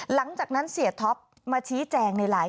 หลังจากนั้นเสียท็อปมาชี้แจงในไลน์